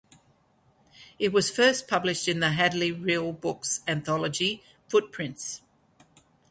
It was first published in the Hadley Rille Books anthology "Footprints".